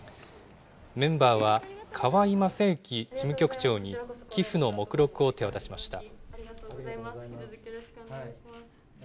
メンバーは川合雅幸事務局長に寄付の目録を手渡しました。